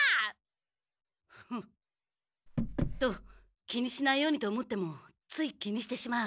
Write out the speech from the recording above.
フッ。と気にしないようにと思ってもつい気にしてしまう。